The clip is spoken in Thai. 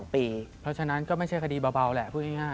เพราะฉะนั้นก็ไม่ใช่คดีเบาแหละพูดง่าย